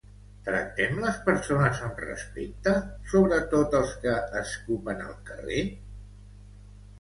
Tractem les persones amb respecte, sobretot els que escupen al carrer?